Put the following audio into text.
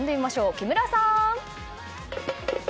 木村さん！